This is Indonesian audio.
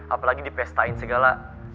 apalagi dipestain segala